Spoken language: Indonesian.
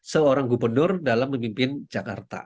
seorang gubernur dalam memimpin jakarta